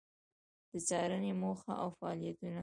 د څارنې موخه او فعالیتونه: